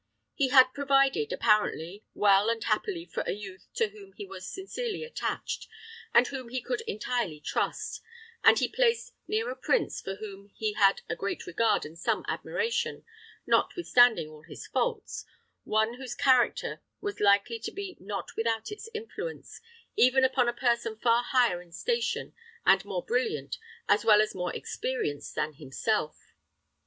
He had provided, apparently, well and happily for a youth to whom he was sincerely attached, and whom he could entirely trust, and he placed near a prince for whom he had a great regard and some admiration, notwithstanding all his faults, one whose character was likely to be not without its influence, even upon a person far higher in station and more brilliant as well as more experienced than himself.